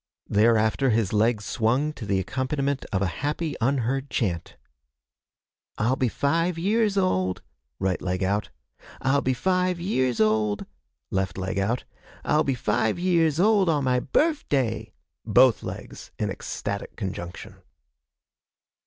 Thereafter his legs swung to the accompaniment of a happy unheard chant: 'I'll be five years old' (right leg out), 'I'll be five years old' (left leg out), 'I'll be five years old on my birf day!' (Both legs in ecstatic conjunction.)